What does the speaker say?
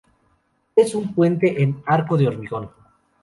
Es un puente en arco de hormigón.